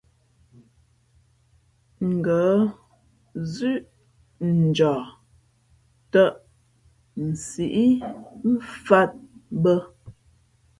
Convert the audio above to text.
Ngα̌ zʉ̄ʼ njαα tᾱʼ nsǐʼ mfāt bᾱ.